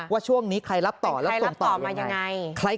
ว่าช่วงนี้ใครรับต่อแล้วส่งต่อเป็นยังไง